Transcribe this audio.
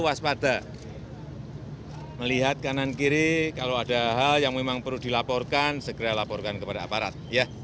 waspada melihat kanan kiri kalau ada hal yang memang perlu dilaporkan segera laporkan kepada aparat ya